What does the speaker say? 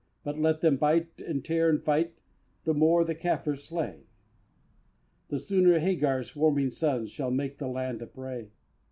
But let them bite and tear and fight, The more the Kaffers slay, The sooner Hagar's swarming sons Shall make the land a prey!